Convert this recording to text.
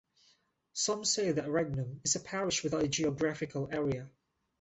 Some say, that Regnum is a parish without a geographical area.